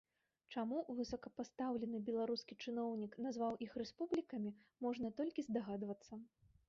Чаму высокапастаўлены беларускі чыноўнік назваў іх рэспублікамі, можна толькі здагадвацца.